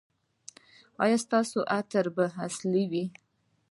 ایا ستاسو عطر به اصیل وي؟